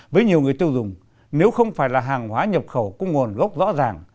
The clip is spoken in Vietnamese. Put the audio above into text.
với nhiều người tiêu dùng nếu không phải là hàng hóa nhập khẩu cung nguồn gốc rõ ràng